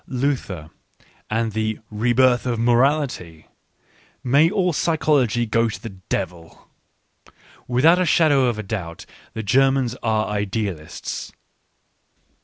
Luther and the " rebirth of morality "! May all psychology go to the devil ! Without a shadow of a doubt the Ger mans are idealists.